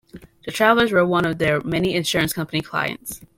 The Travelers was one of their many insurance company clients.